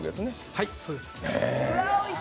はい、そうです。